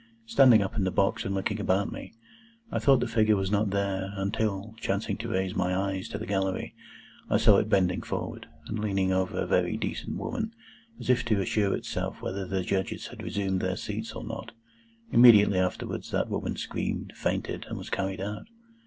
Standing up in the box and looking about me, I thought the figure was not there, until, chancing to raise my eyes to the gallery, I saw it bending forward, and leaning over a very decent woman, as if to assure itself whether the Judges had resumed their seats or not. Immediately afterwards that woman screamed, fainted, and was carried out.